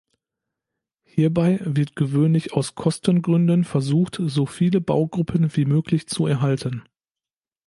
Hierbei wird gewöhnlich aus Kostengründen versucht, so viele Baugruppen wie möglich zu erhalten.